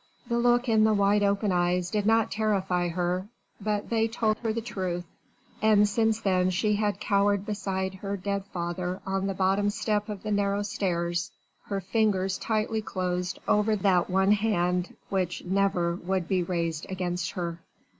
The look in the wide open eyes did not terrify her, but they told her the truth, and since then she had cowered beside her dead father on the bottom step of the narrow stairs, her fingers tightly closed over that one hand which never would be raised against her.